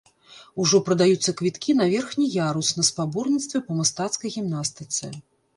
Ужо прадаюцца квіткі на верхні ярус на спаборніцтвы па мастацкай гімнастыцы.